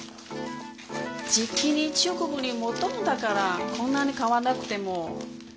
じきに中国にもどるんだからこんなに買わなくても。